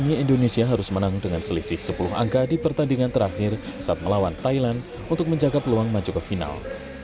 hanya indonesia harus menang dengan selisih sepuluh angka di pertandingan terakhir saat melawan thailand untuk menjaga peluang maju ke final